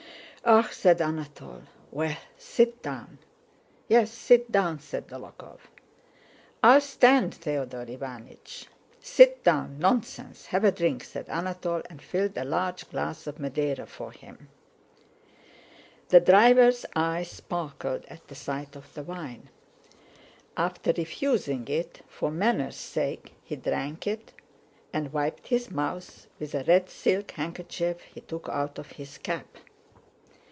"Ah!" said Anatole. "Well, sit down." "Yes, sit down!" said Dólokhov. "I'll stand, Theodore Iványch." "Sit down; nonsense! Have a drink!" said Anatole, and filled a large glass of Madeira for him. The driver's eyes sparkled at the sight of the wine. After refusing it for manners' sake, he drank it and wiped his mouth with a red silk handkerchief he took out of his cap.